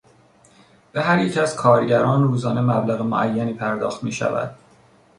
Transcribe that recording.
به هر یک از کارگران روزانه مبلغ معینی پرداخت میشود.